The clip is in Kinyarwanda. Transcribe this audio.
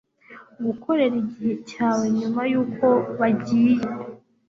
Gukorera igihe cyawe nyuma yuko bagiye